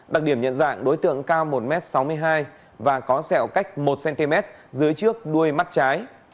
đặc điểm nhận dạng đối tượng cao một m sáu mươi hai và có sẹo cách một cm dưới trước đuôi mắt trái